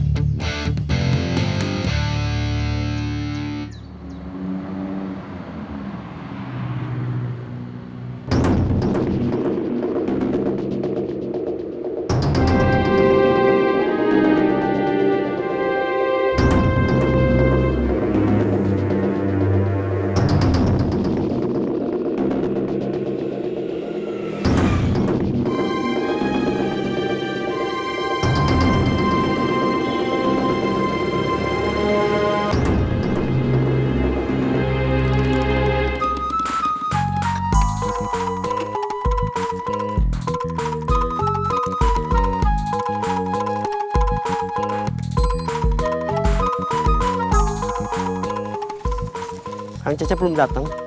kang cece belum datang